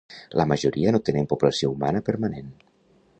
La majoria no tenen població humana permanent.